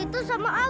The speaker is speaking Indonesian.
terima kasih sepahang